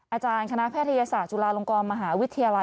อาจารย์คณะแพทยศาสตร์จุฬาลงกรมหาวิทยาลัย